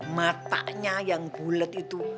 matanya yang bulet itu